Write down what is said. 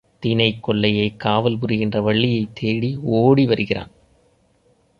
தினைக் கொல்லையைக் காவல்புரிகின்ற வள்ளியைத் தேடி ஓடி வருகிறான்.